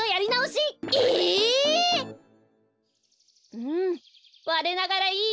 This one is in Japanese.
うんわれながらいいできです。